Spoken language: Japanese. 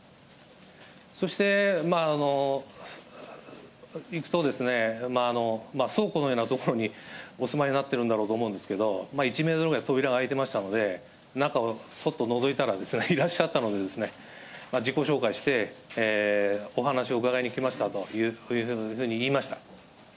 そして、行くと、倉庫のような所にお住まいになってるんだろうと思うんですけれども、１メートルぐらい扉が開いてましたので、中をそっとのぞいたらいらっしゃったので、自己紹介してお話を伺いに来ましたというふうに言いました。